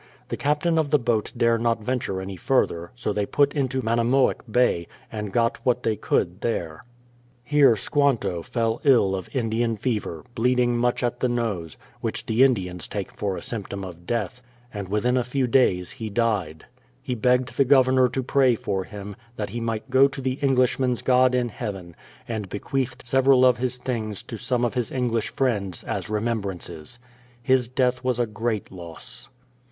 The Captain of the boat dare not venture any further, so they put into Manamoick Bay, and got what they could there. no BRADFORD'S HISTORY Here Squanto fell ill of Indian fever, bleeding much at the nose, — which the Indians take for a symptom of death, — and within a few days he died. He begged the Governor to pray for him, that he might go to the Englishmen's God in heaven, and bequeathed several of his things to some of his English friends, as remembrances. His death was a great loss.